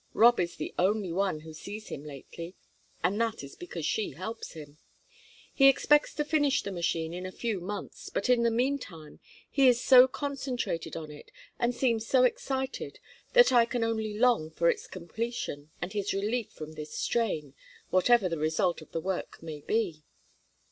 Rob is the only one who sees him lately, and that is because she helps him. He expects to finish the machine in a few months, but in the meantime he is so concentrated on it, and seems so excited that I can only long for its completion, and his relief from this strain, whatever the result of the work may be."